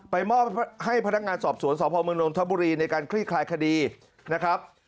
มอบให้พนักงานสอบสวนสพมนนทบุรีในการคลี่คลายคดีนะครับ